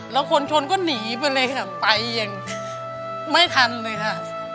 แล้วคนชนก็หนีไปเลยค่ะไปอย่างไม่ทันเลยค่ะ